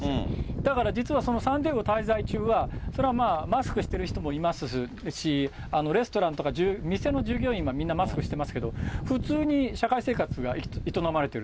だから実は、そのサンディエゴ滞在中は、それはまあ、マスクしてる人もいますし、レストランとか店の従業員はみんなマスクしていますけれども、普通に社会生活が営まれている。